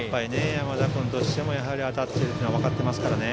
山田君としても当たっているというのは分かっていますからね。